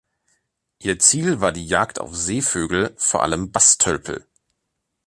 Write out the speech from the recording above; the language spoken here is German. Ihr Ziel war die Jagd auf Seevögel, vor allem Basstölpel.